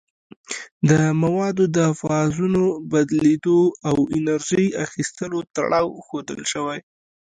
د موادو د فازونو بدلیدو او انرژي اخیستلو تړاو ښودل شوی.